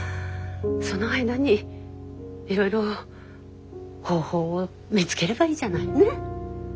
その間にいろいろ方法を見つければいいじゃない。ね？